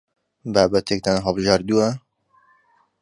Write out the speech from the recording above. بابەتێکتان هەڵبژاردووە؟